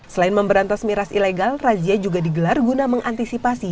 selain memberantas miras ilegal razia juga digelar guna mengantisipasi